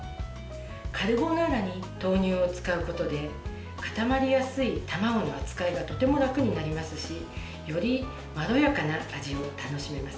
カルボナーラに豆乳を使うことで固まりやすい卵の扱いがとても楽になりますしよりまろやかな味を楽しめます。